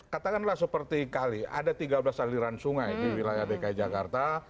katakanlah seperti kali ada tiga belas aliran sungai di wilayah dki jakarta